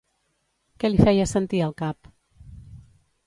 Què li feia sentir al cap?